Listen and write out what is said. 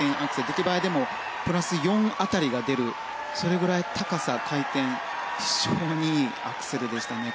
出来栄えでもプラス４辺りが出るそれぐらい高さ、回転非常にいいアクセルでしたね。